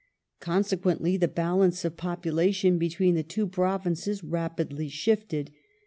Consequently the balance of population between the two Provinces rapidly shifted.